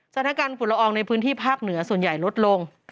สถานการณ์ฝุ่นละอองในพื้นที่ภาคเหนือส่วนใหญ่ลดลง